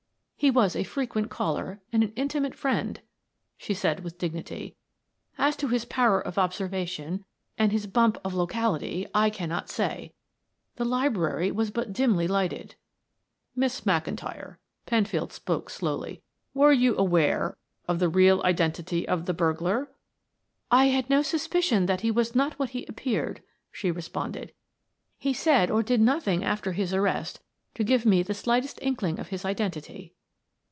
"He was a frequent caller and an intimate friend," she said, with dignity. "As to his power of observation and his bump of locality I cannot say. The library was but dimly lighted." "Miss McIntyre," Penfield spoke slowly. "Were you aware of the real identity of the burglar?" "I had no suspicion that he was not what he appeared," she responded. "He said or did nothing after his arrest to give me the slightest inkling of his identity."